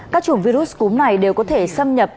các chủng virus cúm này đều có thể xâm nhập